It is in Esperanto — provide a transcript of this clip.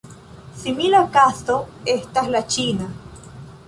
Simila kazo estas la ĉina.